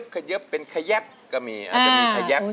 เขยับเป็นขยับก็มีอาจจะมีขยับ